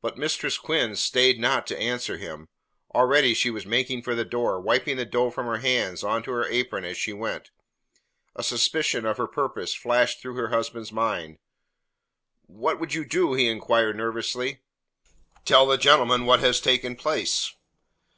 But Mistress Quinn stayed not to answer him. Already she was making for the door, wiping the dough from her hands on to her apron as she went. A suspicion of her purpose flashed through her husband's mind. "What would you do?" he inquired nervously. "Tell the gentleman what has taken place."